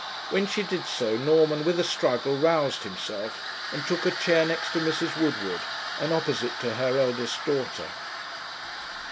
When she did so, Norman, with a struggle, roused himself, and took a chair next to Mrs. Woodward, and opposite to her eldest daughter.